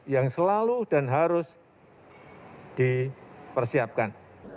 yang selalu dan harus dipersiapkan